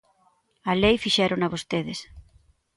A lei fixérona vostedes.